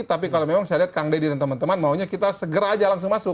tapi kalau memang saya lihat kang deddy dan teman teman maunya kita segera aja langsung masuk